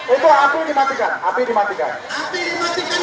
itu api dimatikan api dimatikan